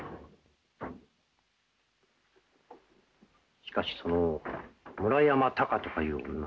しかしその村山たかとかいう女